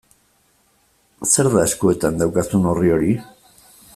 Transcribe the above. Zer da eskuetan daukazun orri hori?